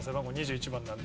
１番なんで。